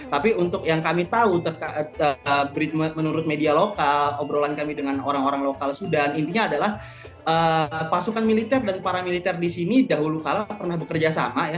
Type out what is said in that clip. tapi untuk yang kami tahu menurut media lokal obrolan kami dengan orang orang lokal sudan intinya adalah pasukan militer dan para militer di sini dahulu kala pernah bekerja sama ya